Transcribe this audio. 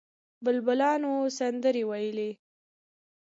بلبلانو سندرې ویلې.